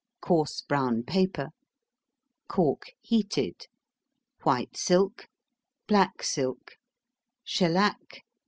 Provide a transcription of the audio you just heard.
Coarse brown paper. Cork, heated. White silk. Black silk. Shellac.